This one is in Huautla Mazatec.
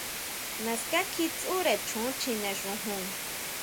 Naská kjí tsʼure choon chjine xojon.